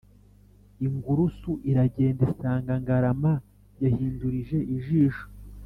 Ingurusu iragenda, isanga Ngarama yahindurije ijisho,